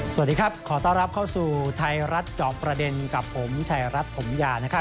สวัสดีครับขอต้อนรับเข้าสู่ไทรัชกรประเด็นกับผมไทรัชถมยา